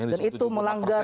dan itu melanggar